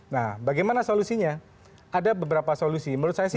nah bagaimana solusinya ada beberapa solusi menurut saya sih